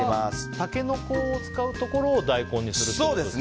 タケノコを使うところを大根にするってことですか。